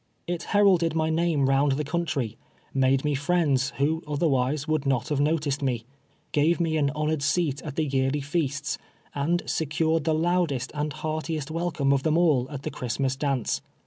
It heralded my name round the country — made me friends, who, otherwise would not have noticed me —• gave me an honored seat at the yearly feasts, and se cured the loudest and heartiest welcome of them all at the Christmas dance.